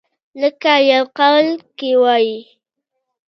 لکه يو قول کښې وائي ۔